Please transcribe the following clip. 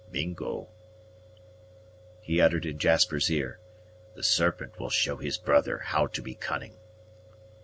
"Mingo!" he uttered in Jasper's ear. "The Serpent will show his brother how to be cunning."